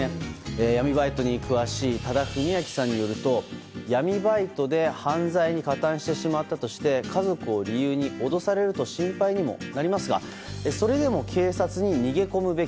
闇バイトに詳しい多田文明さんによりますと闇バイトで犯罪に加担してしまったとして家族を理由に脅されると心配にもなりますがそれでも警察に逃げ込むべき。